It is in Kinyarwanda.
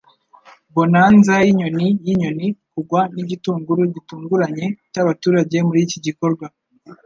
Bonanza yinyoni yinyoni, kugwa nigitunguru gitunguranye cyabaturage muriki gikorwa